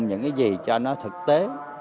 những cái gì cho nó thực tế